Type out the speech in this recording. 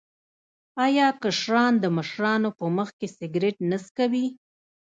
آیا کشران د مشرانو په مخ کې سګرټ نه څکوي؟